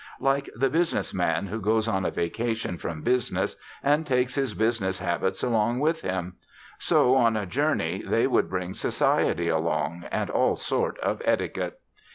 Like the business man who goes on a vacation from business and takes his business habits along with him, so on a journey they would bring society along, and all sort of etiquette.